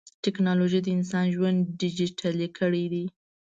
ټکنالوجي د انسان ژوند ډیجیټلي کړی دی.